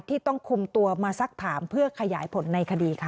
ต้องคุมตัวมาสักถามเพื่อขยายผลในคดีค่ะ